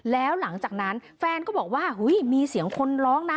แล้วหลังจากนั้นแฟนก็บอกว่ามีเสียงคนร้องนะ